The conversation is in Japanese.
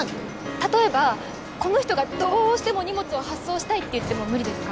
例えばこの人がどうしても荷物を発送したいって言っても無理ですか？